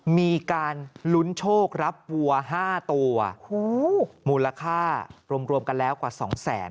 มีการลุ้นโชครับวัว๕ตัวมูลค่ารวมกันแล้วกว่าสองแสน